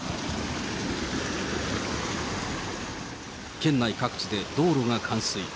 県内各地で道路が冠水。